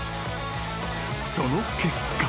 ［その結果］